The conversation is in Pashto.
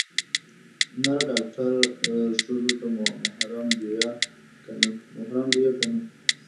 نر ډاکتر ښځو ته محرم ديه که نه.